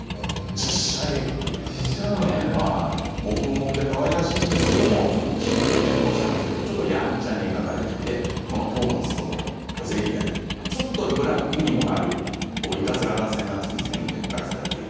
実写映画ということでもふもふでかわいらしいんですけれども蹴飛ばしていますけれどもちょっとやんちゃに描かれていてトーマスとの小競り合いちょっとブラックにもなるいたずら合戦が次々に展開されています